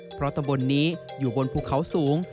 เพราะตำบลนี้อยู่บนภูเขาสูง